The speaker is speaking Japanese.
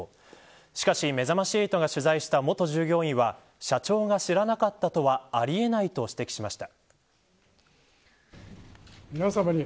しかし、めざまし８が取材した元従業員は社長が知らなかったとはあり得ないと指摘しました。